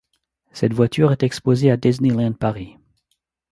Cette voiture est exposée à Disneyland Paris.